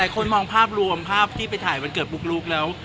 คนมองภาพรวมภาพที่ไปถ่ายบริการ์มะอะแล้ว